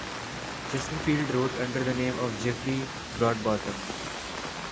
Chesterfield wrote under the name of "Jeffrey Broadbottom".